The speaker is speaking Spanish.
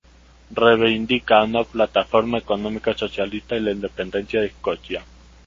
Reivindica una plataforma económica socialista y la independencia de Escocia.